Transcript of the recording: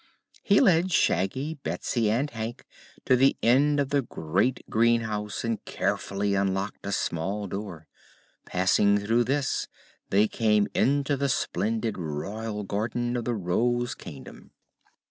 He led Shaggy, Betsy and Hank to the end of the great greenhouse and carefully unlocked a small door. Passing through this they came into the splendid Royal Garden of the Rose Kingdom.